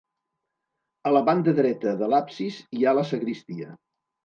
A la banda dreta de l'absis hi ha la sagristia.